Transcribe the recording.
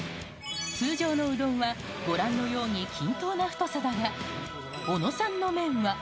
通常のうどんはご覧のように均等な太さだが、小野さんの麺は。